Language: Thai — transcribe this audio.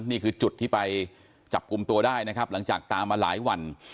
นี่คือจุดที่ไปจับกลุ่มตัวได้นะครับหลังจากตามมาหลายวัน